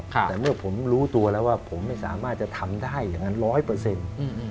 แต่เมื่อผมรู้ตัวแล้วว่าผมไม่สามารถจะทำได้อย่างนั้นร้อยเปอร์เซ็นต์